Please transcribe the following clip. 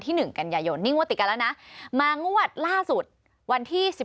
หนึ่งกันยายนนี่งวดติดกันแล้วนะมางวดล่าสุดวันที่๑๑